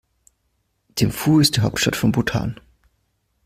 Thimphu ist die Hauptstadt von Bhutan.